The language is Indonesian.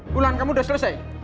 pulangan kamu udah selesai